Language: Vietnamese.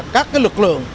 các lực lượng